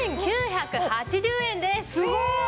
すごーい！